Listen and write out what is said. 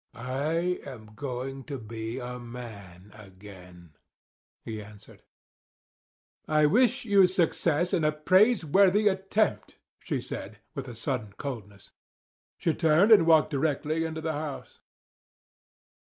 "I am going to be a man again," he answered. "I wish you success in a praiseworthy attempt," she said, with a sudden coldness. She turned and walked directly into the house.